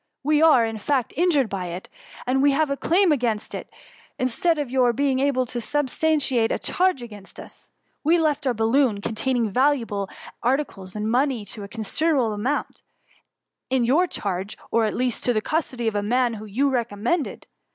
We are, in fact, injured by it, and we have a claim against you instead of your being able to substantiate a charge against us. We left our balloon, containing valuable ar ticles, and money to a considerable amount, in your charge, or, at least, in the custody of a man whom you recommended.